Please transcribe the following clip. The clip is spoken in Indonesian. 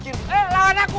eh lawan aku